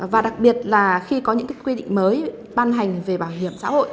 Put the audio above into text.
và đặc biệt là khi có những quy định mới ban hành về bảo hiểm xã hội